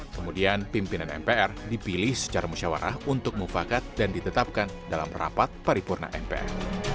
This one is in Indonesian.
kemudian pimpinan mpr dipilih secara musyawarah untuk mufakat dan ditetapkan dalam rapat paripurna mpr